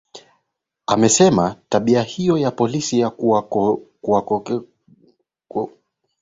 amesema tabia hiyo ya polisi ya kuwaweka korokoroni wanahabari